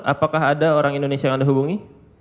apakah ada orang indonesia yang anda hubungi